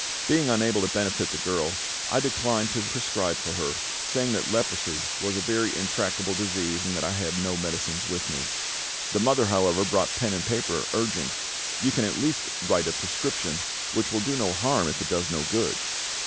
Being unable to benefit the girl, I declined to prescribe for her, saying that leprosy was a very intractable disease, and that I had no medicines with me. The mother, however, brought pen and paper, urging, "You can at least write a prescription, which will do no harm, if it does no good."